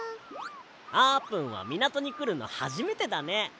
あーぷんはみなとにくるのはじめてだね。